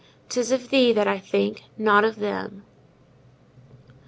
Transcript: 'Tis of thee that I think, not of them.